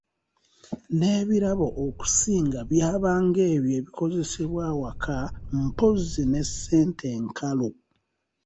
N’ebirabo okusinga byabanga ebyo ebikozesebwa awaka, mpozzi ne ssente enkalu.